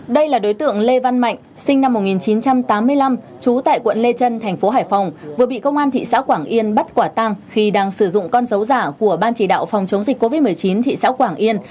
đây là đối tượng lê văn mạnh sinh năm một nghìn chín trăm tám mươi năm trú tại quận lê trân thành phố hải phòng vừa bị công an thị xã quảng yên bắt quả tăng khi đang sử dụng con dấu giả của ban chỉ đạo phòng chống dịch covid một mươi chín thị xã quảng yên